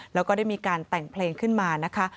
แล้วก็ได้มีการแต่งเพลงขึ้นมานะคะ